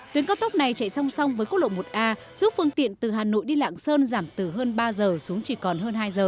tuyến cao tốc này chạy song song với quốc lộ một a giúp phương tiện từ hà nội đi lạng sơn giảm từ hơn ba giờ xuống chỉ còn hơn hai giờ